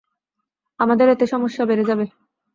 আমাদের এতে সমস্যা বেড়ে যাবে।